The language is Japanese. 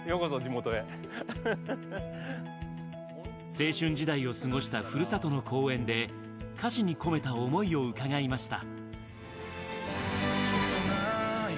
青春時代を過ごしたふるさとの公園で歌詞に込めた思いを伺いました。